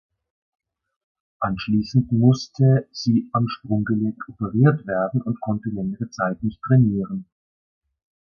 Anschließend musste sie am Sprunggelenk operiert werden und konnte längere Zeit nicht trainieren.